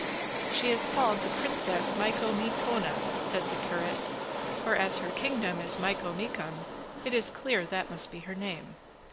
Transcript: "She is called the Princess Micomicona," said the curate; "for as her kingdom is Micomicon, it is clear that must be her name."